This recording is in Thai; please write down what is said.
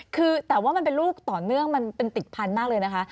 คือแต่ว่ามันเป็นลูกต่อเนื่องมันเป็นติดพันธุ์มากเลยนะคะ